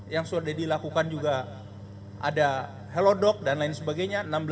yang sudah dilakukan juga ada hellodoc dan lain sebagainya